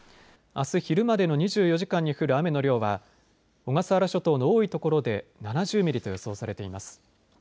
あす昼までの２４時間に降る雨の量は小笠原諸島の多いところで７０ミリと予想されています。